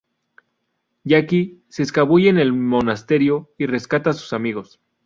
Jackie se escabulle en el monasterio y rescata a sus amigos.